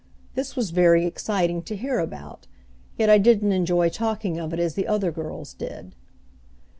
This was very exciting to hear about, yet I didn't enjoy talking of it as the other girls did.